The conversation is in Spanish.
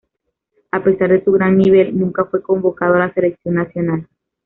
A pesar de su gran nivel, nunca fue convocado a la selección nacional.